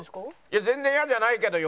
いや全然嫌じゃないけど。